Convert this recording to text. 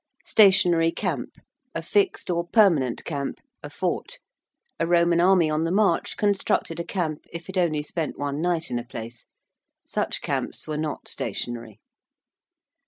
~Stationary camp~: a fixed or permanent camp; a fort. A Roman army on the march constructed a camp if it only spent one night in a place. Such camps were not stationary.